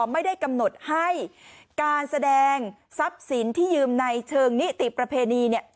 ไม่ได้กำหนดให้การแสดงทรัพย์สินที่ยืมในเชิงนิติประเพณีเนี่ย